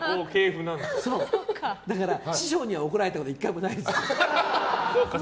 だから、師匠に怒られたことは１回もないです。